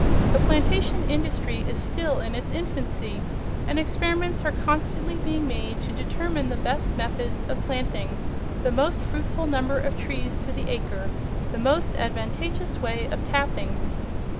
The plantation industry is still in its infancy, and experiments are constantly being made to determine the best methods of planting, the most fruitful number of trees to the acre, the most advantageous way of tapping.